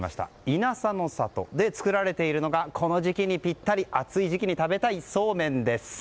いなさの郷で作られているのがこの時期にぴったり暑い時期に食べたいそうめんです。